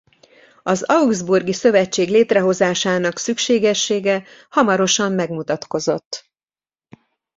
Az augsburgi szövetség létrehozásának szükségessége hamarosan megmutatkozott.